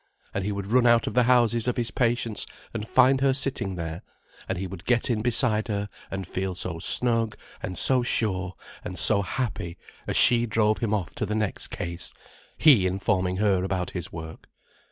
And he would run out of the houses of his patients, and find her sitting there, and he would get in beside her and feel so snug and so sure and so happy as she drove him off to the next case, he informing her about his work.